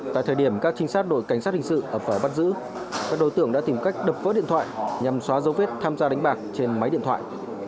tại thời điểm các trinh sát đội cảnh sát hình sự ở phở bát dữ các đối tượng đã tìm cách đập vớt điện thoại nhằm xóa dấu vết tham gia đánh bạc trên máy điện thoại